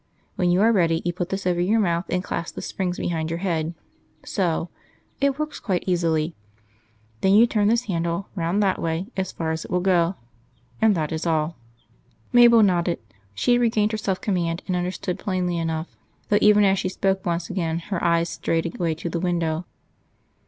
When you are ready, you put this over your mouth, and clasp the springs behind your head.... So.... it works quite easily. Then you turn this handle, round that way, as far as it will go. And that is all." Mabel nodded. She had regained her self command, and understood plainly enough, though even as she spoke once again her eyes strayed away to the window.